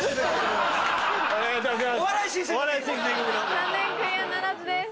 残念クリアならずです。